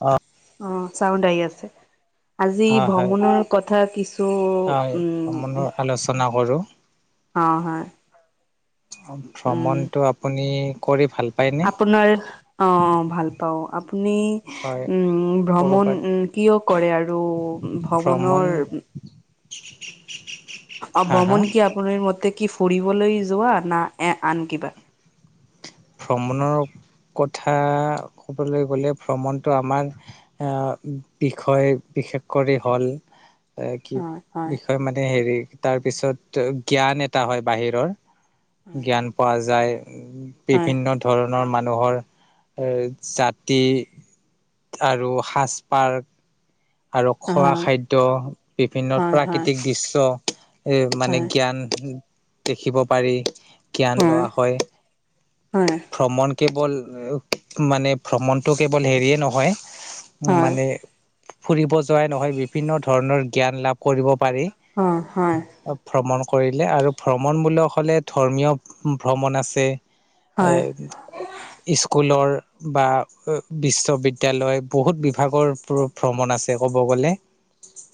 অ' অ', চাউণ্ড আহি আছে। আজি হয় হয় ভ্ৰমণৰ কথা কিছু, হয় ভ্ৰমণৰ উম আলোচনা কৰোঁ অ', হয়। অ', উম, ভ্ৰমণটো আপুনি কৰি ভাল পায়নে আপোনাৰ, অ' ভাল পাওঁ, আপুনি হয় উম, ভ্ৰমণ কৰ'বাত উম কিয় কৰে আৰু ভ্ৰমণ ভ্ৰমণৰ [inaudible] অ' হা ভ্ৰমণ কি আপোনাৰ মতে কি ফুৰিবলৈ যোৱা না এ-আন কিবা? ভ্ৰমণৰ কথা ক'বলৈ গ'লে ভ্ৰমণটো আমাৰ আ, বিষয় বিশেষ কৰি হ'ল‍‌‌ এ কি, হয়, হয়, বিষয় মানে হেৰি, তাৰপিছত জ্ঞান এটা হয় বাহিৰৰ। হয়, জ্ঞান পোৱা যায়, হয়, বিভিন্ন ধৰণ ধৰণৰ মানুহৰ জাতি আৰু সাজ-পাৰ আৰু খোৱা হয়, খাদ্য, বিভিন্ন হয়, হয়, হয়। প্ৰাকৃতিক দৃশ্য এ মানে হয়, জ্ঞান দেখিব পাৰি, জ্ঞান লোৱা হয় হয়। ভ্ৰমণ কেৱল, মানে ভ্ৰমণটো কেৱল হেৰিয়ে নহয় হয়, মানে ফুৰিব যোৱাই নহয়, বিভিন্ন ধৰণৰ জ্ঞান লাভ কৰিব পাৰি। অ' হয়। ভ্ৰমণ কৰিলে আৰু ভ্ৰমণমূলক ধৰ্মীয় ভ্ৰমণ আছে। হয়। [unintelligible] স্কুলৰ বা বিশ্ববিদ্যালয় বহুত বিভাগৰ ভ্ৰমণ আছে ক'ব গ'লে।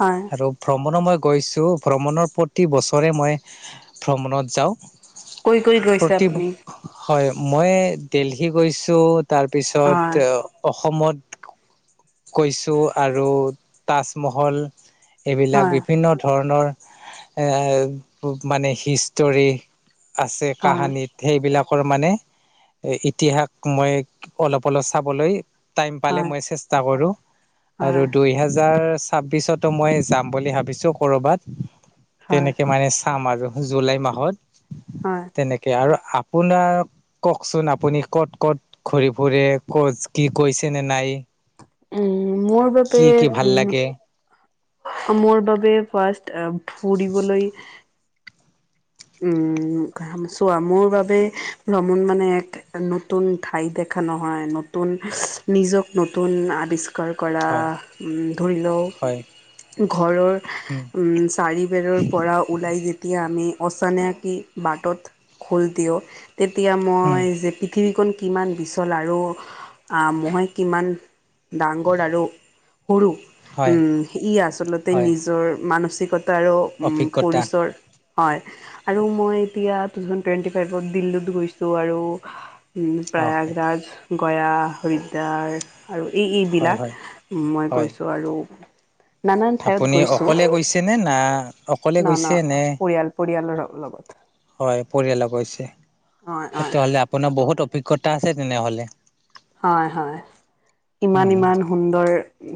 হয়। আৰু ভ্ৰমণৰ মই গৈছোঁ, ভ্ৰমণৰ প্ৰতি বছৰে মই ভ্ৰমণত যাওঁ। কৈ কৈ গৈছে প্ৰতি আপুনি, হয়, মই দেলহি গৈছোঁ হয়, তাৰপিছত অসমত গৈছোঁ আৰু তাজমহল এইবিলাক হয়, বিভিন্ন ধৰণৰ, এ মানে হিষ্টৰী আছে হয়, কাহানীত। সেইবিলাকৰ মানে ইতিহাস মই অলপ অলপ চাবলৈ টাইম পালে হয়। মই চেষ্টা কৰোঁ, আৰু হয়, দুইহাজাৰ ছাব্বিছতো মই যাম বুলি ভাবিছোঁ ক'ৰবাত, হয়, তেনেকে মানে চাম আৰু। জুলাই মাহত হয়। তেনেকে আৰু আপোনাৰ কওঁকচোন আপুনি ক'ত - ক'ত ঘূৰি ফুৰে কত কি কৈছে নে নাই। উম, মোৰ বাবে কি কি ভাল উম, লাগে মোৰ বাবে ফাৰ্ষ্ট ফুৰিবলৈ উম, চোৱা মোৰ বাৱে ভ্ৰমণ মানে এক নতুন ঠাই দেখা নহয় নতুন নিজক নতুন আৱিষ কাৰ কৰা হয় ধৰি লও হয় ঘৰৰ উম, চাৰিবেৰৰ পৰা ওলাই যেতিয়া আমি অচানেকি বাটত খোজ দিওঁ তেতিয়া উম মই যে পৃথিৱীকণ কিমান বিচল আৰু মই কিমান ডাঙৰ আৰু সৰু হয় ই আচলতে হয় নিজৰ মানসিকতা তাৰো অভিজ্ঞতা পৰিচৰ হয় আৰু মই এতিয়া টু থাউজেণ্ড টুৱেণ্টি ফাইভত দিল্লীত গৈছোঁ আৰু অ হয় প্ৰয়াগৰাজ, গয়া, হৰিদ্যাৰ আৰু এই হয় এইবিলাক হয় মই হয় গৈছোঁ আৰু নানান ঠাইত আপুনি গৈছো অকলে গৈছেনে না অকলে না না গৈছে নে পৰিয়াল পৰিয়ালৰ লগত। হয় পৰিয়ালো গৈছে হয় হয় তেতিয়াহলে আপোনাৰ বহুত অভিজ্ঞতা আছে তেনেহলে। হয় - হয়, উম ইমান - ইমান সুন্দৰ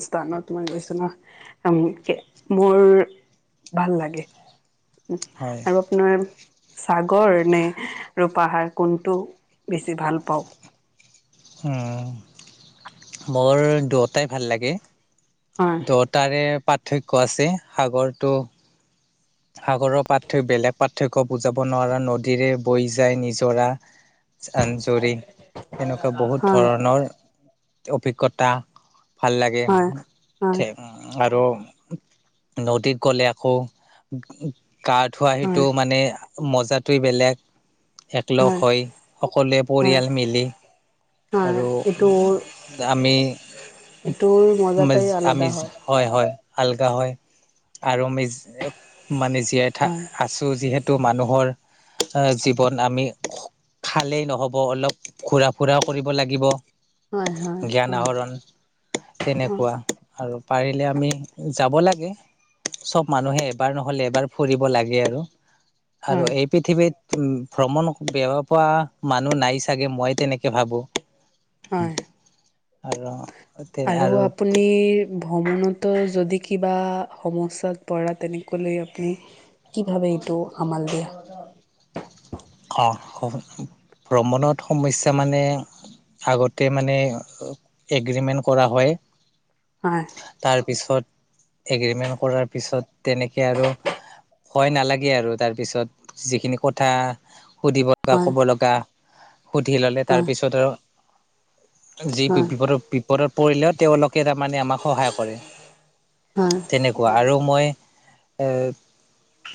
স্থানত মই গৈছো ন [unintelligible] মোৰ ভাল লাগে হয় আৰু আপোনাৰ চাগৰ নে আৰু পাহাৰ কোনটো বেছি ভাল পাওঁ। মোৰ দুয়টাই ভাল লাগে। হয় দুটাৰে পাৰ্থক্য আছে সাগৰটো সাগৰৰ পাৰ্থক্য বেলেগ পাৰ্থক্য বুজাব নোৱাৰা নদীৰে বৈ যায় নিজৰা। জান জুৰি এনেকুৱা বহুত হয় ধৰণৰ অভিজ্ঞতা। ভাল লাগে হয় হয় আৰু নদীত গ'লে আকৌ গা ধোৱা সিটো হয় মানে মজাটোৱেই বেলেগ। একলগ হয় হৈ সকলোৱে হয় পৰিয়াল মিলি। হয় আৰু এইটোৰ আমি এইটোৰ মজাটাই - আলাদা আমি হয় [unintelligible] হয়-হয় হালকা হয় আৰু আমি মানে জীয়াই থা হয় আছো যিহেতু মানুহৰ জীৱন আমি খালেই নহ'ব অলপ ঘূৰা - ফুৰা কৰিব লাগিব হয় হয় জ্ঞান হয় আহৰণ হয় তেনেকুৱা আৰু পাৰিলে আমি যাব লাগে। চব মানুহে এবাৰ নহলে এবাৰ ফুৰিব লাগে আৰু আৰু হয় এই পৃথিৱীত উ ভ্ৰমণ বেয়া পোৱা মানুহ নাই চাগে মই তেনেকে ভাবো। হয় [unintelligible] আৰু তে আৰু ভ্ৰমণতো যদি কিবা সমস্যাত পৰা তেনেকে হলে আপুনি কি ভাৱে এইটো সামাল দিয়া। অ, ভ্ৰমণত সমস্যা মানে আগতে মানে এগ্ৰিমেণ্ট কৰা হয়। হয়। তাৰ পিছত এগ্ৰিমেন্ট কৰাৰ পিছত তেনেকে আৰু ভয় নালাগে আৰু তাৰপিছত যিখিনি কথা সুধিব লগা বা হয় ক'ব লগা। সুধি ললে তাৰ হয় পিছত আৰু যি হয় বিপদৰ বিপদত পৰিলেও তেওঁলোকে তাৰমানে আমাক সহায় কৰে। হয় তেনেকুৱা আৰু মই এ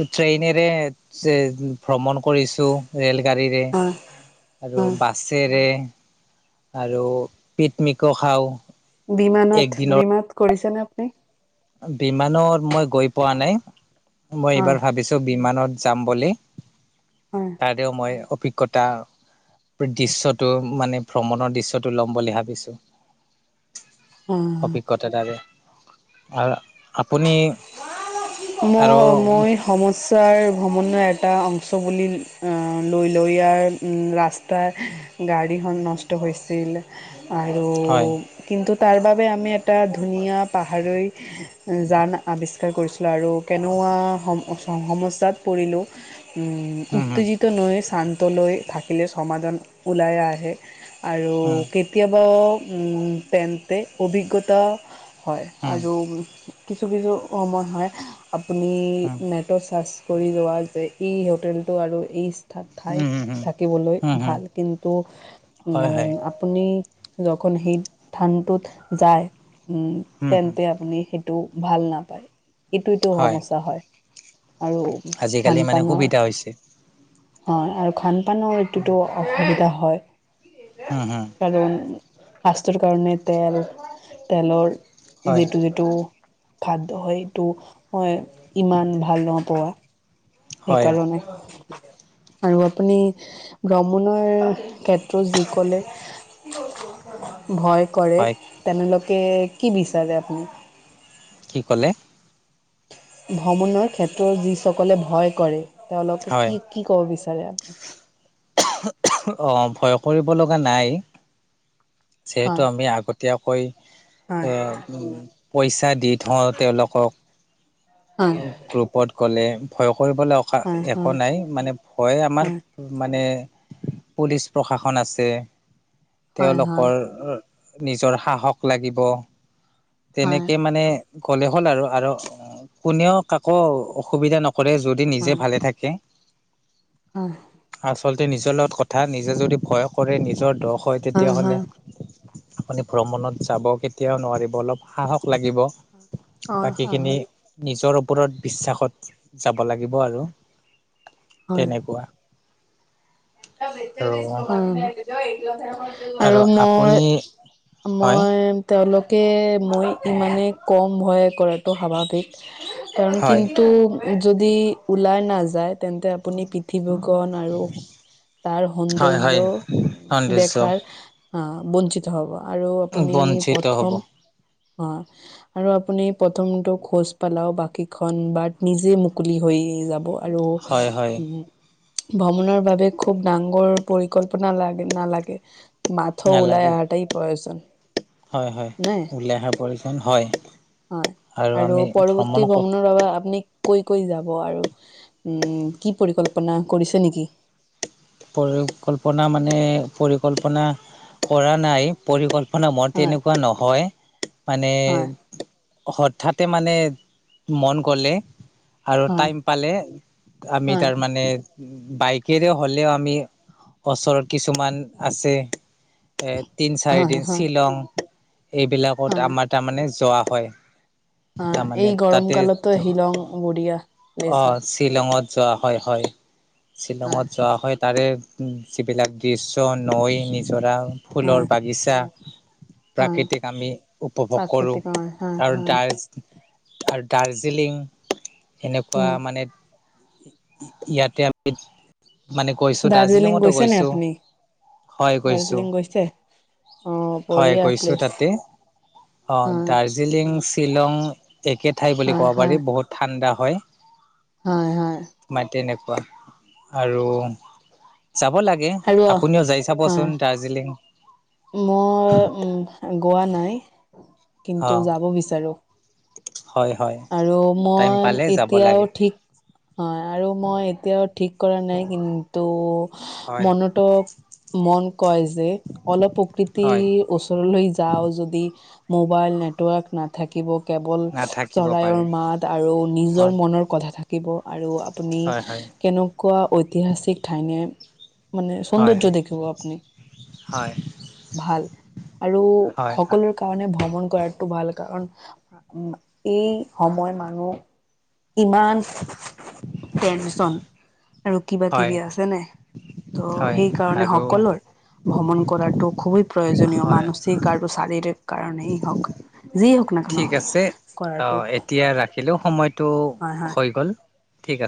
ট্ৰেইনেৰে এ ভ্ৰমণ কৰিছো ৰেল গাড়ীৰে। হয় আৰু হয় বাছেৰে আৰু পিকমিকো খাওঁ। বিমানত একদিনৰ বিমাত কৰিছেনে আপুনি? বিমানত মই গৈ পোৱা নাই মই হয় এইবাৰ ভাবিছো বিমানত যাম বুলি। অহ, আৰু মই অভিজ্ঞতা দৃশ্যটো মানে ভ্ৰমণৰ দৃশ্যটো ল'ম বুলি ভাবিছো। হয় অভিজ্ঞতা তাৰে আৰু আপুনি ম আৰু মই সমস্যাৰ ভ্ৰমণৰ এটা অংশ বুলি লৈ লওঁ ইয়াৰ ৰাস্তা গাড়ীখন নষ্ট হৈছিল আৰু হয় কিন্তু তাৰ বাবে আমি এটা ধুনীয়া পাহাৰৈ জানা আৱিষ্কাৰ কৰিছিলোঁ আৰু কেনোৱা সম সমস্যাত পৰিলোঁ উম, উত্তেজিত নৈয় শান্ত লৈ থাকিলে সমাধান ওলাই আহে। আৰু উম কেতিয়াবা পেণ্টে অভিজ্ঞতা, হয় উম আৰু কিছু-কিছু সময় হয় আপুনি উম উম হম নেট চাৰ্চ কৰি যোৱা যে এই হোটেলটো আৰু এই অ, ঠাই থাকিবলৈ হম উম হম ভাল কিন্তু হয় হয় উম, আপুনি যখন সেই থানটোত যায় উম, তেন্তে আপুনি এইটো ভাল নাপায় এইটোটো সমস্যা হয়। আৰু আজিকালি মানে খানপানৰ সুবিধা হৈছে হয় আৰু খান পানৰ এইটোতো অসুবিধা হয়। উম, উম, কাৰণ শাস্ৰৰ কাৰণে তেল তেলৰ হয় যিটো-যিটো হয় সেইটো হয় ইমান ভাল নপোৱা হয় সেইকাৰণে। আৰু আপুনি ভ্ৰমণৰ ক্ষেত্ৰত যি কলে, ভয় কৰে হয় তেনেলোকে কি বিচাৰে আপুনি? কি ক'লে? ভ্ৰমণৰ ক্ষেত্ৰত যিসকলে ভয় কৰে তেওঁলোকে হয় কি কি ক'ব বিচাৰে? অ, ভয় কৰিব লগা নাই যিহেতু হয় আমি আগতে তেতিয়াকৈ হয় পইচা দি থওঁ তেওঁলোকক। হয় গ্ৰুপত গ'লে ভয় কৰিবলৈ অ, হয় একো হয় নাই। মানে ভয় হয় আমাৰ মানে পুলিচ প্ৰশাসন আছে হয় হয় তেওঁলোকৰ নিজৰ সাহস লাগিব। হয় তেনেকে মানে ক'লে হ'ল আৰু আৰু কোনেও কাকো অসুবিধা নকৰে যত যদি নিজে ভালে থাকে। উম, আচলতে নিজৰ লগত কথা নিজে যদি ভয় কৰে নিজৰ দষ হয় তেতিয়াহলে আপুনি ভ্ৰমণত যাব কেতিয়াও নোৱাৰিব অলপ সাহস লাগিব। হয় বাকী হয় খিনি হয় নিজৰ ওপৰত বিশ্বাসত যাব লাগিব আৰু হয় তেনেকুৱা। আৰু উম, আৰু মই হয় মই, তেওঁলোকে মই ইমানেই কম ভয় কৰাতটো স্বাভাৱিক, কাৰণ হয় কিন্তু যদি উলাই নাযায় তেন্তে আপুনি গণ আৰু তাৰ হয় সৌন্দৰ্য সৌন্দৰ্য দেখাৰ আ বঞ্চিত হ'ব, আৰু আপুনি বঞ্চিত হ'ব প্ৰথম অ'। আৰু আপুনি প্ৰথমটো খোজ পালাও, বাকীখন বাট নিজে মুকলি হৈ যা। ব আৰু হয় হয় উম ভ্ৰমণৰ বাবে খুব ডাঙৰ পৰিকল্পনা লাগ নালাগে। মাথো নালাগে ওলাই অহাটাই প্ৰয়োজন। হয়' হয়' নে উলাই অহা প্ৰয়োজন হয়। হয় 'আৰু আমি ভ্ৰমণ পৰৱৰ্তী ভ্ৰমণৰ বাবে আপনি কৈ কৈ যাব আৰু, উম' কি পৰিকল্পনা কৰিছে নেকি? পৰিকল্পনা মানে, পৰিকল্পনা কৰা নাই। পৰিকল্পনা মোৰ হয় তেনেকুৱা নহয়, মানে হয় হঠাতে মানে মন গ'লে, আৰু হয় টাইম পালে, আমি হয় তাৰ মানে বাইক কেৰে হ'লেও আমি ওচৰত কিছুমান আছে। এ তিন চাৰি হয় দিন হয় শ্বিলং, এইবিলাকত হয় আমাৰ তাৰমানে যোৱা হয়। অ তাৰমানে এই গৰম তাতে কালততো হিলং বঢ়িয়া। প্লেচ হয় অ' শ্বিলঙত যোৱা হয় হয়, হয় শ্বিলঙত যোৱা হয়। তাৰে যিবিলাক দৃশ্য নৈ, নিজৰা হয় ফুলৰ বাগিচা। হয় প্ৰাকৃতিক আমি উপভোগ কৰো। প্ৰাকৃতিক হয় হয় আৰু হয় তাৰ আৰু দাৰ্জিলিং, এনেকুৱা উম মানে ইয়াতে মানে গৈছো, দাৰ্জিলিং দাৰ্জিলিঙতো গৈছে নে গৈছো। আপুনি হয় গৈছোঁ দাৰ্জিলিং গৈছে অ হয় বঢ়িয়া গৈছোঁ প্লেচ তাতে। অ, দাৰ হয় দাৰ্জিলিং শ্বিলং একে ঠাই বুলি হয় ক'ব হয় পাৰি। বহুত ঠাণ্ডা হয়। হয়, হয়। বা তেনেকুৱা, আৰু যাব লাগে। খালো, আপুনিও যাই চাবচোন হয়। দাৰ্জিলিং মই উম গোৱা নাই, অ কিন্তু যাব বিচাৰো। হয় হয় আৰু টাইম মই পালে যাব এতিয়াও লাগে ঠিক হয় আৰু মই এতিয়াও ঠিক কৰা নাই, কি ত' হয় মনত মন কয় যে, অলপ প্ৰকৃতি হয় ওচৰলৈ যাওঁ যদি, মোবাইল নেটৱৰ্ক নাথাকিব কেৱল নাথাকিব চৰাইৰ পাৰে মাত আৰু নিজৰ হয় মনৰ কথা থাকিব। আৰু আপুনি হয় হয় কেনে কোৱা ঐতিহাসিক ঠাইনে মানে হয় সৌন্দৰ্য দেখিব আপুনি। হয় ভাল আৰু হয় সকলোৰে কাৰণে ভ্ৰমণ কৰাটো ভাল কাৰণ, উ এই সময় মানুহ ইমান চন আৰু কিবা হয় কিবি আছে নাই। ত' হয় সেইকাৰণে আৰু সকলোৰে ভ্ৰমণ কৰাটো খুবেই প্ৰয়োজনীয়, হয় মানসিক টো শাৰীৰিক কাৰণেই হওঁক, যি হক ঠিক আছে, অ' এতিয়া ৰাখিলোঁ সময়টো হয় হয় হৈ গ'ল। ঠিক আছে